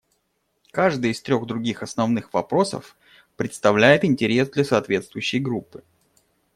Каждый из трех других основных вопросов представляет интерес для соответствующей группы.